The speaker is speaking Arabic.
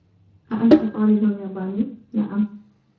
أأنت طالب ياباني؟ "نعم."